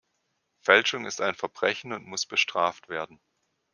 Fälschung ist ein Verbrechen und muss bestraft werden.